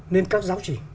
nên các giáo chỉ